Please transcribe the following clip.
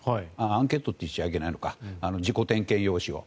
アンケートと言っちゃいけないのか自己点検用紙を。